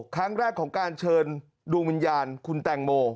ครั้งแรกของการเชิญดวงวิญญาณคุณแตงโม